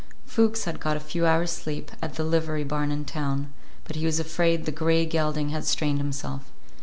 Fuchs had got a few hours' sleep at the livery barn in town, but he was afraid the gray gelding had strained himself.